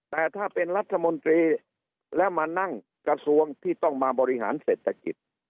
แต่ถ้าเป็นรัฐมนตรีแล้วมานั่งกระทรวงที่ต้องมาบริหารเศรษฐกิจ